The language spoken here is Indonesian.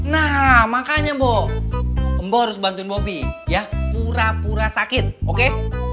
nah makanya mbok mbok harus bantuin mbok ya pura pura sakit oke